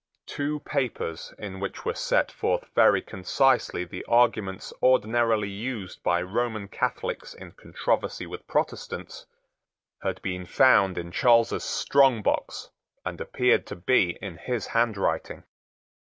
Two papers, in which were set forth very concisely the arguments ordinarily used by Roman Catholics in controversy with Protestants, had been found in Charles's strong box, and appeared to be in his handwriting.